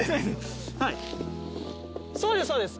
そうですそうです。